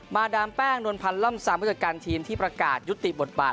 ดามแป้งนวลพันธ์ล่ำซามผู้จัดการทีมที่ประกาศยุติบทบาท